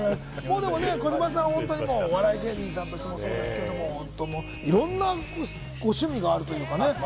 でも児嶋さん、お笑い芸人さんとしてもですけど、いろんなご趣味があるというかね。